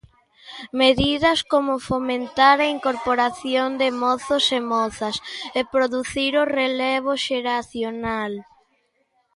Medidas como fomentar a incorporación de mozos e mozas e producir o relevo xeracional.